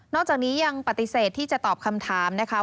จากนี้ยังปฏิเสธที่จะตอบคำถามนะคะ